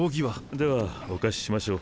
ではお貸ししましょう。